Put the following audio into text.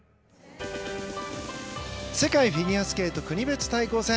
世界フィギュアスケート国別対抗戦。